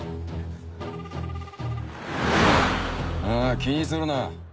あぁ気にするな。